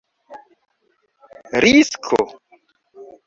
risko